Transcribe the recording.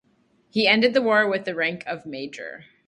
He ended the war with the rank of major.